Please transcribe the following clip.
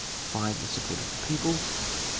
5. The support of the people. 6.